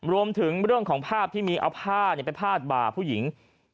รวมถึงเรื่องของภาพที่มีเอาผ้าไปพาดบ่าผู้หญิง